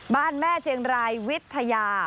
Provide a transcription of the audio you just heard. แม่เชียงรายวิทยา